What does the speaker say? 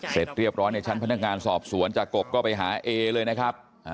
เสร็จเรียบร้อยในชั้นพนักงานสอบสวนจากกบก็ไปหาเอเลยนะครับ